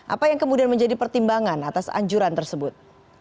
apa yang kemudian menjadi pertimbangan atas anjuran tersebut